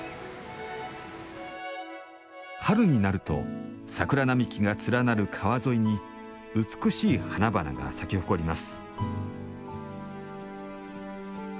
春になると桜並木が連なる川沿いに美しい花々が咲き誇ります。